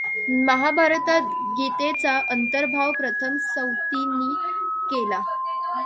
महाभारतात गीतेचा अंतर्भाव प्रथम सौतींनी केला.